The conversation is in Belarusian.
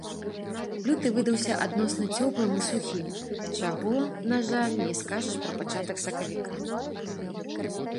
Люты выдаўся адносна цёплым і сухім, чаго, на жаль, не скажаш пра пачатак сакавіка.